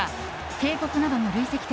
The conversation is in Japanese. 警告などの累積点